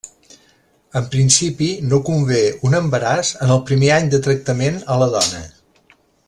En principi no convé un embaràs en el primer any de tractament a la dona.